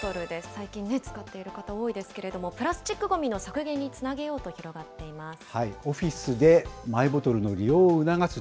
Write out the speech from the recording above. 最近使っている方多いですけれども、プラスチックごみの削減につなげようと広がっています。